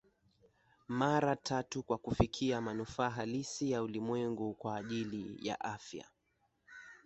mara tatu kwa kufikia manufaa halisi ya ulimwengu kwa ajili ya afya